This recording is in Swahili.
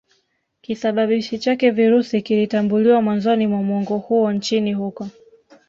kisababishi chake Virusi kilitambuliwa mwanzoni mwa muongo huo nchini huko